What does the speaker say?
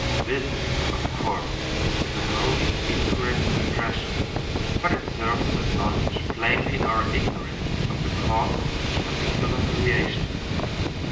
This, of course is a wholly incorrect expression, but it serves to acknowledge plainly our ignorance of the cause of each particular variation.